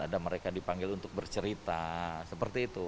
ada mereka dipanggil untuk bercerita seperti itu